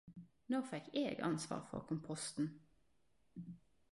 Når fekk eg ansvar for komposten?